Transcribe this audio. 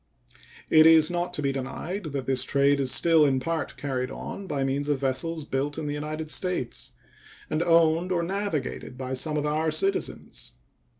It is not to be denied that this trade is still in part carried on by means of vessels built in the United States and owned or navigated by some of our citizens.